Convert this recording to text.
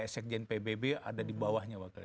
sekjen pbb ada di bawahnya wakil